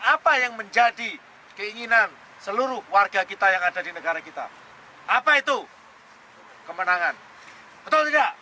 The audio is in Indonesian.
apa yang menjadi keinginan seluruh warga kita yang ada di negara kita apa itu kemenangan atau tidak